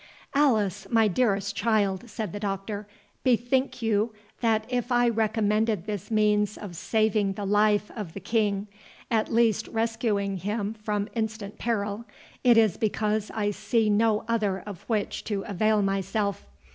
"Alice, my dearest child," said the Doctor, "bethink you that if I recommended this means of saving the life of the King, at least rescuing him from instant peril, it is because I see no other of which to avail myself.